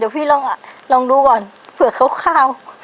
เดี๋ยวพี่ลองดูก่อนเผื่อเข้าข้าว